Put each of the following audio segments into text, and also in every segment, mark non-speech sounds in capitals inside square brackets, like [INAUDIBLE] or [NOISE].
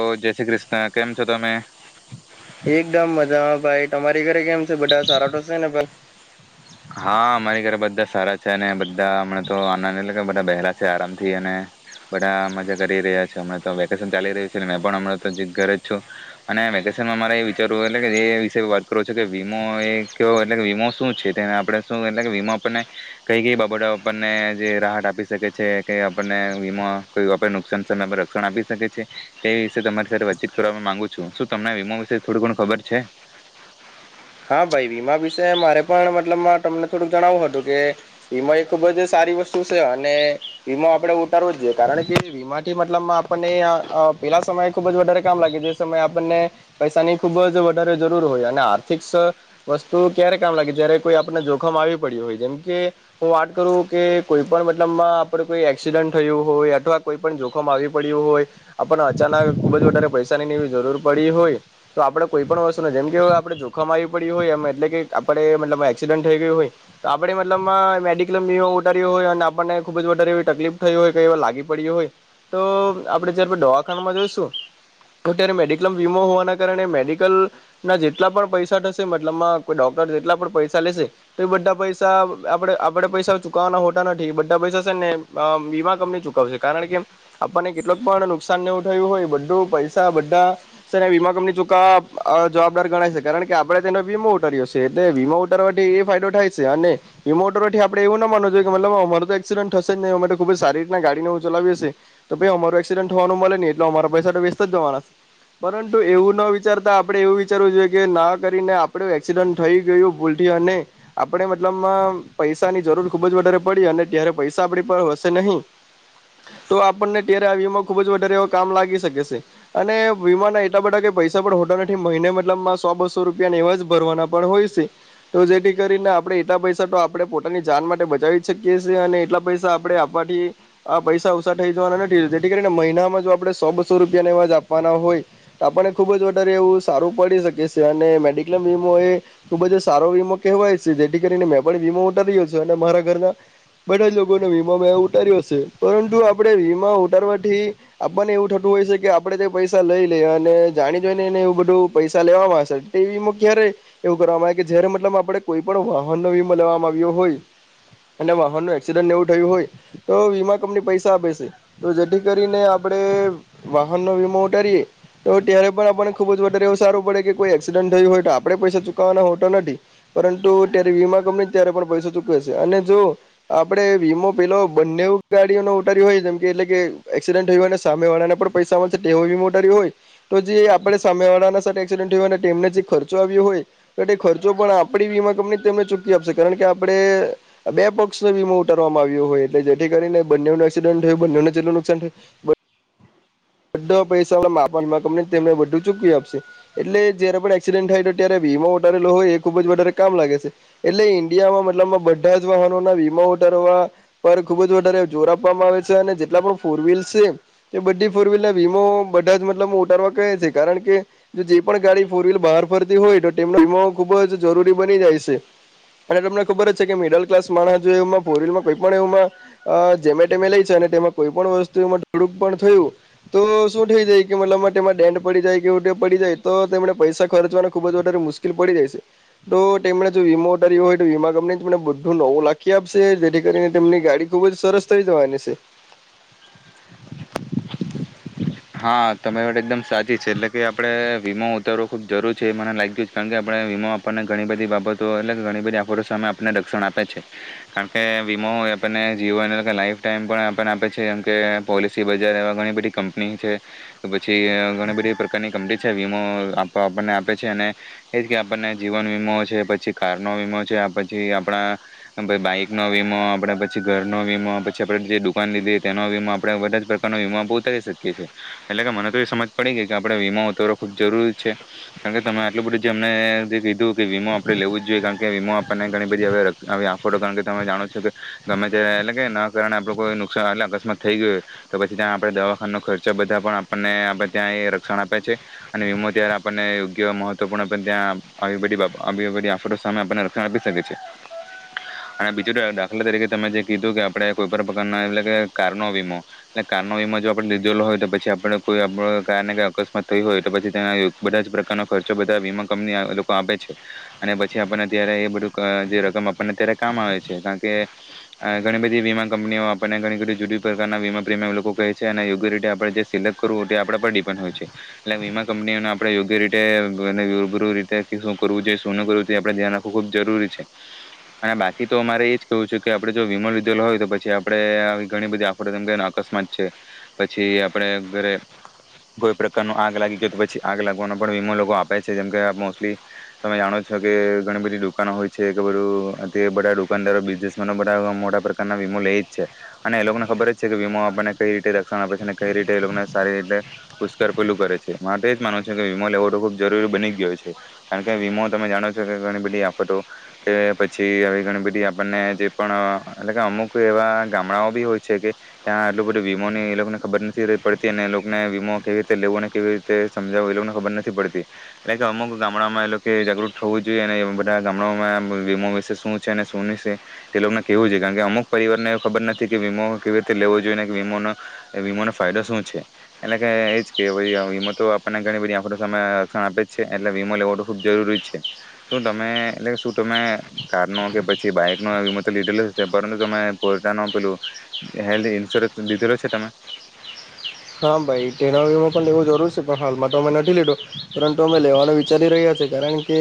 તો જય શ્રી ક્રિષ્ણ કેમ છો તમે એકદમ મજામાં ભાઈ તમારી ઘ કેમ છે બધા સારા ટો સે ને ભ હા અમારી ઘરે બધા સારા છે અને બધા હમણાં તો આનંદ એટલે કે બધા બહેલા છે આરામ થી અને બધા મજા કરી રહ્યા છે હમણાં તો વેકેશન ચાલી રહ્યું છે મેં પણ હમં તો અજ ઘરે જ છું અને વેકેશનમાં મારે એ વિચારવું એટલે કે એ વિશે વાત કરું છું કે વીમો એ કેવો એટલે કે વીમો શું છે તેને આપણે શું એટલે વીમો આપણને કઈ કઈ બાબતો આપણને જે રાહત આપી શકે છે કે આપણને વીમો કઈ આપ નુકસાન સમય પર રક્ષણ આપી શકે છે તે વિશે તમારી સાથે વાતચીત કરવા માંગુ છું શું તમને વીમો વિશે થોડું ઘણ ખબર છે હા ભાઈ વીમા વિશે મારે પણ મતલબ તમને થોડુંક જણાવું હતું કે વીમા એ ખુબ જ સારી વસ્તુ છે અને વીમાો આપણે ઉતારવો જ જોઈએ કારણ કે વીમાથી મતલબ આપણને પેલા સમય ખુબ જ વધારે કામ લાગે જે સમયે આપણને પૈસાની ખુબ જ વધારે જરૂર હોય અને વસ્તુ ક્યારે કામ લાગે જય્યારે કોઈ આપણને જોખમ આવી પડ્યું હોય જેમકે હું વાત કરું કે કોઈ પણ મતલબમાં આપડે કોઈ એક્સિડન્ટ થયું હોય અથવા કોઈ પણ જોખમ આવી પડ્યું હોય આપણને અચાનક ખુબ જ વધારે પૈસાની એવી જરૂર પડી હોય તો આપડે કોઈ પણ વસ્તુ જેમકે આપણે જો પ હોય એટલે કે આપણે મતલબ એક્સિડન્ટ થઈ ગયું હોય તો આપણે મતલબમાં મેડિક્લેમ વીમો ઉતારી્યો હોય અને આપણને ખૂબ જ વધારે એવી તકલીફ થઈ હોય કે એ લાગી પડી્યું હોય તો આપણે જયારે દવાખાનામાં જોઈશું તો ત્યારે મેડિક્લેમ વીમો હોવાના કારણે મેડિકલના જેટલા પણ પૈસા મતલબમાં કો ડોક્ટર જેટલા પણ પૈસા લેશે તો એ બધા પૈસા આપડે આપેડે પૈસા ચુકવવાના હોતા નથી બધા પૈસા છે ને વીમા કંપની ચુકવશે કારણ કે આપણને કેટલક પણ નુકસાન ને ઠયું હોય બધું પૈસા બધા છે ને વીમા કંપની ચુકવા જવાબદાર ગણાય છે કારણ કે આપણે તેને વીમો ઉતારી્યો છે એટલે વીમા ઉતારવાથી એ ફાયદો થાય છે અને વીમા ઉતારવાથી આપણે એવું ના માનું જોઈએ કે મતલબ અમાર તો એક્સિડન્ટ થશે જ નહીં અમે તો ખુબ જ સારી રીતના ગાડીનેું ચલાવી હ છશે તો ભાઈ અમાર એક્સસીડન્ટ થવાનું મળે નહી એટલે અમારા પૈસા તો વેસ્ટ જવાના છે પરંતુ એવું ના વિચારતા આપણે એવું વિચારવું જોઈએ કે ના કરીને આપડ એક્સિડન્ટ થઈ ગયું ભૂલથી અને આપણે મતલબમાં પૈસા ની જરૂર ખુબ જ વધારે પડી અને ત્યારે પૈસા આપડી પર હશે નહીં તો આપણને ત્યારે આ વીમો ખુબ જ વધારે એ કામ લાગી શકે છે અને વીમાના એટલા બધાઈ પૈસા પણ હોતા નથી મહિને મતલબમાં સો બસ ો રૂપિયા એવાજ ભરવાના પણ હોય છે તો જેથી કરીને આપણે એટલા પૈસા તો આપણે પોતાની જાન માટે બચાવીજ શકીએ છે અને એટલા પૈસા આપણે આપવાથી આ પૈસા ઓછા થઈ જવાના નથી જેથી કરીને મહિનામાં જો આપણે સો બસો રૂપિયાને એવાજ આપવાના હોય તો આપણને ખુબ જ વધારે એવું સારું પડી શકે છે ને મેડિકલેઇમ વીમો એ ખુબ જ સારો વીમો કહેવાય છે જેથી કરીને મેં પણ વીમો ઉતાર્યો છે અને મારા ઘરના બધા જ લોકોને વીમો મે ઉતાર્યો છે પરંતુ આપણે વીમા ઉતારવાથી આપણને એવું થતું હોય છે કે આપડે તે પૈસા લઈ લઈ અને જાણી જોઈને એને એવું બધું પૈસા લેવા માંશે વીમો ક્યારે એવું કરવામાં આવે કે જય્યારે મતલબ આપણે કોઈ પણ વાહનનો વીમો લેવામાં આવ્યો હોય અને વાહન ન એક્સિડન્ટ એવું થયું હોય તો વીમા કંપની પૈસા આપે છે તો જેથી કરીને આપણે વાહનનો વીમો ઉતારીએ તો ત્યારે પણ આપણને ખુબ જ વધારે એવું સારું પડે કે એકસિડન્ટ થયું હોય તો આપણેે પૈસા ચુકવાના હોતો નથી પરંતુ ત્યારે વીમા કંપની ત્યારે પણ પૈસા ચુકવે છે અને જો આપડે વીમો પેલો બંને ગાડીઓને ઉતારી્યું હોય જેમ કે એટલે કે એક્સિડન્ટ થયું હોયને સામે વાળાના પણ પૈસા મળશે તેવો વીમો ઉતાર્યો હોય તો જે આપણે સામે વાળાના સાથે એકસિડેન્ટ તેમને જે ખર્ચો આવ્યો હોય એ ખર્ચો પણ આપણી વીમા કંપની ને ચૂકી આપશે કારણ કે આપણે બે પક્ષને વીમો ઉતારવામાં આવ્યો હોય એટલે જેથી કરીને બંનેનું એક્સિડન્ટ હોય બનેને જેટલું નુકસાન થયું બધા પૈસા માપાનમાં કંપની તેમને બધું ચૂકવી આપશે એટલે જયારે પણ એક્સિડન્ટ થાય તો ત્યારે વીમા ઉતારેલો હોય એ ખુબ જ વધારે કામ લાગે છે એટલે ઇન્ડિયામાં મતલબ બધા જ વાહનોના વીમા ઉઠારવા પર ખુબ જ વધારે જોર આપવામાં આવે છે અને જેટલા પણ ફોર વ્હીલ છે એ બધી ફોર વ્હીલર વીમો બધા જ મતલબ ઉતારવા કહે છે કારણ કે જો જે પણ ગાડી ફોર વ્હીલ બહાર ફરતી હોય તો તેમનો વીમો ખુબ જ જરૂરી બની જાય છે અને તમને ખબર જ છે કે મિડલ ક્લાસ માણસ જો એ ફોર વ્લમાં કોઈ પણ એમાં જેમેમે લઈ છે અને તેમાં કોઈ પણ વસ્તુ માં થોડુંક પણ થયું તો શું થઈ જાય કે મતલબ તેમાં દેંડ પડી જાય કે પડી જાય તો તેમને પૈસા ખર્ચવાને ખુબ જ વધારે મુશકેલ પડી જાય છે તો તેમને જો વીમો ઉતાર્યો હોય તો વીમા કંપનીને બું નવ લાખી આપશે જેથી કરીને તેમની ગાડી ખુબ જ સરસ થઈ જવાની છે હા તમે વદ એકદમ સાચી છેલ્લે કે આપડે વીમો ઉતારવો ખૂબ જરૂર છે એ મને લાગ્યું જ કારણ કે આપણે વીમો આપણને ઘણી બધી બાબતો એટલે કે ઘણી બધી આફોટ સામે આપણને રક્ષણ આપે છે કારણ કે વીમો એ આપણને જીવન એટલે કે લાઈફ ટાાઈમ પણ આપણને આપે છે એમ કે પોલિસી બજાર એવા ઘણી બધી કંપની છે પછી ઘણી બધી પ્રકારની કંપની છે વીમો આપ આપણને આપે છે અને એજ કે આપણને જીવન વીમો છે પછી કાર નો વીમો છે પછી આપણા બાઈક નો વીમો આપણે પછી ઘરનોો વીમો પછી આપણેે જે દુકાન લીધી તેનો વીમો આપે બધા જ પ્રકારનોો વીમો આપ ઉતારી શકીએ એટલે કે મને તો એ સમજ પડી ગઈ કે આપણે વીમો ઉતારો ખૂબ જરૂરી છે કારણ કે તમે આટલું બધું જે અમને જે કીધું કે વીમો આપણે લેવું જ જોઈએ કારણ કે વીમો આપણને ઘણી બધી હવે આોડો કારણ કે તમે જાણો છો કે ગમે ત એટલે કે ના કારણે આપણું કોઈ નુકસાન એટલે અકસ્માત થઈ ગય હોય તો પછી ત્યાં આપણે દવા ખર્ચા બધા પણ આપણને આપ ત્યાં રક્ષણ આપે છે અને વીમો ત્યારે આપણને યોગ્ય મહત્વપૂર્ણ ત્યા આફતો સામે આપણને રક્ષણ આપી શકે છે અને બીજું દાખલા તરીકે તમે જે કીધું કે આપણે કોઈ પણ પ્રકારનો એટલે કે કારનો વીમો એ કારનો વીમો જો હોય તો પછી આપ કોઈ આપ ક ને ક અકસ્માત થઈ હોય તો પછી બધા જ પ્રકારનો ખર્ચો બધા વીમા કંપની લોકો આપે છે અને પછી આપણને અત્યારે એ બધું જે રકમ આપણને અ્યારે કામ આવે છે કારણ કે ઘણી બધી વીમા કંપનીઓ આપણને ઘણી બધી જુદી પ્રકારના વીમા પ્રીમીયમ લોકો કહે છે અને યોગ્ય રીતે આપણેે જે સિલેક્ટ કરવું તે આપડા પર ડિપેન્ડ હોય છે એટલે વીમા કંપનીઓને આપડણે યોગ્ય રીતેરું રીતે શું કરવું જોઈએ શું કરવું જો આપડે ધ્યાન રાખવું ખુબ જરૂરી છે અને બાકી તો અમારે એજ કેવું છે કે આપડે જો વીમો લીધેલો હોય તો પછી આપડે આવી ઘણી બધી આફડ કે અકસ્માત છે પછી આપડ અરે કોઈ પ્રકાર ન આગ લાગી ગય તો પછી આગ લાગવાનો પણ વીમો લોકો આપે છે જેમ કે મોસ્ટલી તમે જાણો છો કે ઘણી બધી દુકાનો હોય છે કે બધું બધા દુકાનદારો બિઝનેસમે બધા મોટા પ્રકારના વીમો લઈ જ છે અને એ લોકોને ખબર જ છે કે વીમો આપને કઈ રીતેણ કઈ રીતે એ લોકોને સારી રીતે પુષ્કર પેલું કરે છે માટે જ માનવ છે કે વીમો લેવો તો ખુબ જરૂરી બની ગયો છે કારણ કે વીમો તમે જાણો છો કે ઘણી બધી આફતો કે પછી આવી ઘણી બધી આપણને જે પણ એટલે કે અમુક એવા ગામડાઓ બી હોય છે કે ત્યાં એ બધ વીમો ને એ લોકોને ખબર નથી પડતી અને એ લોકોને વીમો કેવી રીતે લેવો ને કેવી રીતે સમજાવો એ લોકોને ખબર નથી પડતી એટલે કે અમુક ગામડામાં એ લોકો જાગૃત થવું જોઈએ અને એ બધા ગામડામાં વીમો વિશે શું છે અને શુંશે એ લોકોને કેવું જોઈએ કારણ કે અમુક પરિવારને એ ખબર નથી કે વીમો કેવી રીતે લેવો જોઈએ ો વીમોનોો ફાયદો શું છે એટલે કે એજ કે વીમો તો આપણને ઘણી બધી આખો સમ રક્ષણ આપે જ છે એટલે વીમો લેવ ખુબ જરૂરી છે શું તમે એટલે શું તમે કાર નો કે પછી બાઈક નો વીમો તો લીધેલો પરંતુ તમે પોરટા ન પેલું હેલ્થ ઇન્સ્યોરન્સ દીધ રહ્યો છે તમાં હા ભાઈ તેનામાં પણ એવું જરૂર છે પણ હાલમાં તો મને લીધો પરંતુ અમે લેવાનો વિચારી રહ્યા છીએ કારણ કે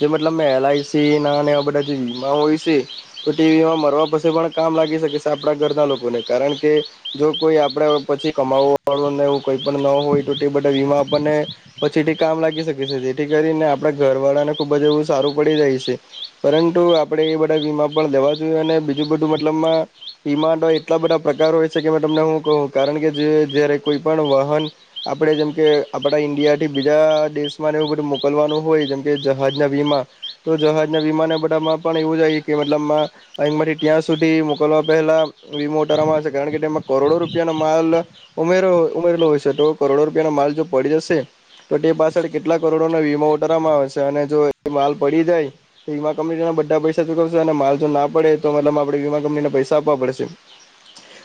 જે મતલબ એલઆઈસી ના એવા બધા જે વીમા હોય છે તો તે વીમા મરવા પછી પણ કામ લાગી શકે છે આપણા ઘરના લોકોને કારણ કે જો કોઈ આપડા પછી કમાવો એવ કોઈ પણ ન હોય તો બધા વીમા આપણને પછીથી કામ લાગી શકે છે જેથી કરીને આપડા ઘર વાળાને ખુબ જ એવું સારું પડી જાય છે પરંતુ આપડે એ બધા વીમા પણ લેવા જોઈએ અને બીજું બધું મતલબમાં વીમા એટલા બધા પ્રકાર હોય છે કે તમને હું કહું કારણ કે જે જયારે કોઈ પણ વાહન આપણેે જેમકે આપડા ઈન્ડિયાથી બીજા દેશમાંને એવું બધું મોકલવાનું હોય જેમકે જહાજના વીમા તો જહાજના વીમાના બધામાં પણ એવું જાય કે મતલબ અહીંમાંથી ત્યાં સુધી મોકલવા પહેલા વીમા ઉતારવામાં આવે છે કારણ કે તેમાં કરોડો રૂપિયાનો માલ ઉમે હોય તો કરોડો રૂપિયાનો માલ જો પડી જશે તો તે પાછળ કેટલા કરોડોના વીમા ઉતારવામાં આવેશે અને જો એ માલ પડી જાય તો વીમા કંપની બધા પૈસા ચૂકવશે અને માલ જો ના પડે તો મતલબ આપણે વીમા કંપનીને પૈસા આપવા પડશે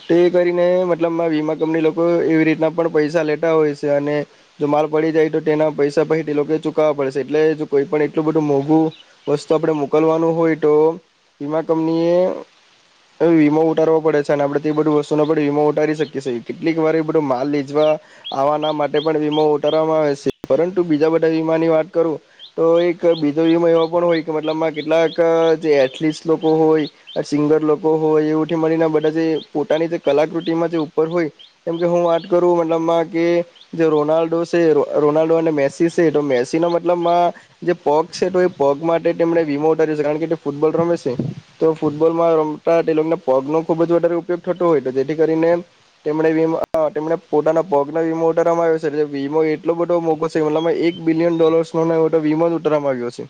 તો કરીને મતલબ વીમા કંપની એવી રીતના પણ પૈસા લેતા હોય છે અને જો માલ પડી જાય તો તેના પૈસા પછી તે લોકો ચુકવવા પડે છે એટલે જો કોઈ પણ એટલું બધું મોઘું વસ્તુ આપણે મોકલવાનું હોય તો વીમા કંપની એ વીમો ઉતારવો પડે છે અને આપડે તે બધી વસ્તુનો પણ વીમાો ઉતારી શકીી કેટલીક વાર બધો માલ લીજવા આવવાના માટે પણ વીમો ઉતારવામાં આવેશે પરંતુ બીજા બધા વીમાની વાત કરું તો એક બીજો વીમો એવા પણ હોય કે મતલબમાં કેટલાક જે એથલીટ લોકો હોય સિંગર લોકો હોય એવી મળીને બધા જે પોતાની જે કલાકૃતિમાં જે ઉપર હોય કેમ કે હું વાત કરું મતલબમાં કે જે રોનાલ્ડો છે રોનાલ્ડો અને મેસી છે તો મેસી ન મતલબમાં જે પગ છે તો એ પગ માટે તેમણે વીમો ઉતારી છે કારણ કે તે ફૂટબોલ રમે છે તો ફૂટબોલમાં રમતા તે લોકોને પગ નો ખુબ જ વધારે ઉપયોગ થતો હોય તો જેથી કરીને ને પોતાના પગ વીમો ઉતારવામાં આવ્યો છે વીમો એટલો બધો મોકો છે મતલબ એક બિલિયન ડોલસ વીમો ઉતારવામાં આવ્યો છે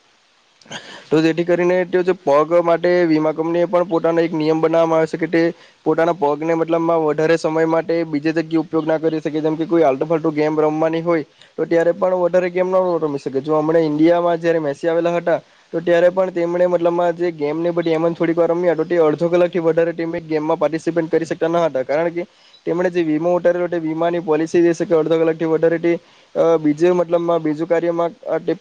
તો જેથી કરીને તે પગ માટે વીમા કંપની પણ પોતાનો એક નિયમ બનાવવામાં આવ્યો છે કે તે પોતાના પગને મતલબમાં વધારે સમય માટે બીજી જગ્યા ઉપયોગ ના કરી શકે જેમ કે કોઈ આલટુ ફલટુ ગેમ રમવાની હોય તો ત્યારે પણ વધારે ગેમ ન રમી શકે જો હમણા ઈન્ડિયામાં જારે મેસી આવેલા હતા તો ત્યારે પણ તેમણે મતલબ આ જે ગેમની બધી એમન થોડીક વાર રમ્યા તો તે અડધો કલાક થી વધારે ટીમે ગેમમાં પાર્ટિસિપેટ કરી શકતા ન હતા કારણ કે તેમ જેીો ઉ વીમાની પોલિસી અડધો કલાક થી વધારે બીજ મતલબમાં બીજું કાર્યમાં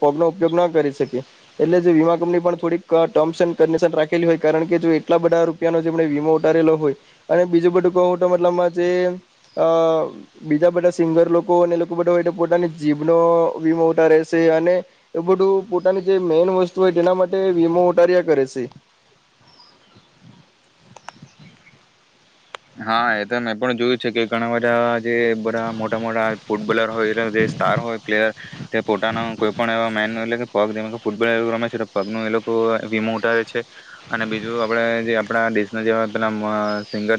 પોપ ન ઉપયોગ ના કરી શકે એટલે વીમા કંપની પણ થોડી ટર્મ્ કશન રાખેલી હોય કારણ કે જો એટલા બધા રૂપિયા જેમ વીમો ઉતારેલો હોય અને બીજું બધું કહ ટમાં જે બીજા બધા સિંગર લોકો અને લોકો બધા હોય પોતાની જીભનો વીમો ઉતારે છે અને એ બધું પોતાની જે મેન વસ્તુ હોય તેના માટે વીમો ઉતાર્યા કરે છે હા એ તો મેં પણ જોયું છે કે ઘણા બધા જે બધા મોટા મોટા ફૂટબોલર હોય એટ જે સ્ટાર હોય પ્લેયર તે પોતાના કોઈ પણ એવા મેન એટલે કે પગ જે ફૂટબોલ એ રમે છે પગનુંું એ લોકો વિીમો ઉઠાવે છે અને બીજું આપડ જે આપણા દેશના જેવા પેલા સિંગર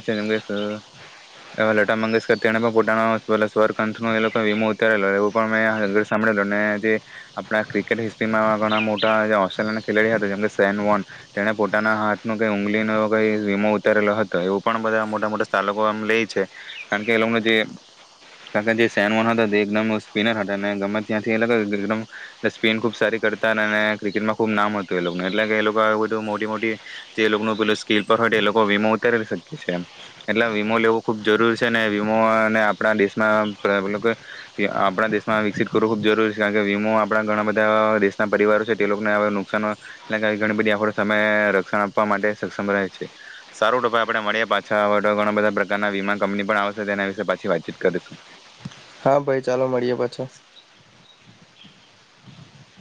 લતા મંગેશકર તેણે પણ પોતાનો સ્વર કંથનો વીમો ઉતારેલો એવ પણ મેં સાભળેલ જે આપણા ક્રિકેટ હિસ્ટ્રીમાં ઘણા મોટા ઓસ્ટ્રેલિયા ના ખેલાડી હતા જેમકે સેન વોન તેણે પોતાના હાથ ન કઈ ઉઊગલીનો કઈ વીમો ઉતારેલો હતો એવ પણ બધા મોટા મોટા આ સ્ટાર લોકો એમ લેય કારણ કે એ લોકો જે કારણ કે જે સેન વન હતો તે એકદમ સ્પિનર હતા અને ગમે ત્યાંથી એમ સ્પિન ખુબ સારી કરતા હતા ક્રિકેટમાં ખુબ નામ હતું એ લોકોને એટલે કે એ લોકો બધું મોટી મોટી જે એ લોકનુ પેલુ સ્કીલ પર હોય તો એ લોકો વીમો ઉતારી એટલે વીમો લેવો ખુબ જરૂરી છે અને વીમોને આપણા દેશમાં આપણા દેશમાં વિકસિત કરવું ખૂબ જરૂરી છે કારણ કે વીમો આપણા ઘણા બધા દેશના પરિવારો છે તે લોકોને નુકસાન ઘણી બધી આખ સમય રક્ષણ આપવા માટે સક્ષમ રહે છે સારો ટપ આપણે મળ્યા પાછા અવે તો ઘણા બધા પ્રકારના વીમા કંપની પણ આવશે તેના વિશે પાછી વાતચીત કરીશું. હા ભાઈ ચાલો મળીએ પાછો [INAUDIBLE]